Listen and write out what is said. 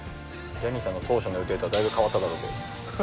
ジャニーさんの当初の予定とはだいぶ変わっただろうけど。